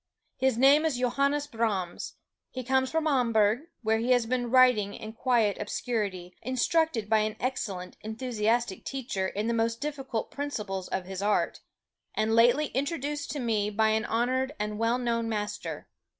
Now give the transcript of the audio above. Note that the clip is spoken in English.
His name is Johannes Brahms; he comes from Hamburg, where he has been working in quiet obscurity, instructed by an excellent, enthusiastic teacher in the most difficult principles of his art, and lately introduced to me by an honored and well known master.